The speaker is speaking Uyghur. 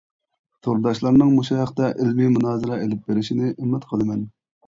تورداشلارنىڭ مۇشۇ ھەقتە ئىلمى مۇنازىرە ئېلىپ بېرىشىنى ئۈمىد قىلىمەن.